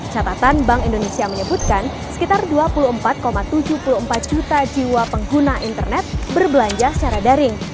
catatan bank indonesia menyebutkan sekitar dua puluh empat tujuh puluh empat juta jiwa pengguna internet berbelanja secara daring